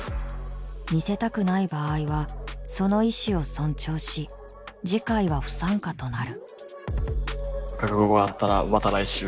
見せたくない場合はその意思を尊重し次回は不参加となる。